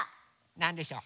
なんでしょう？